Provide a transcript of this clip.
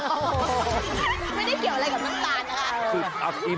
โอ้โหไม่ได้เกี่ยวอะไรกับน้ำตาลนะคะ